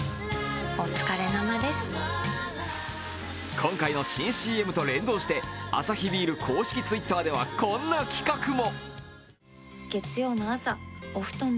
今回の新ＣＭと連動してアサヒビール公式Ｔｗｉｔｔｅｒではこんな企画も。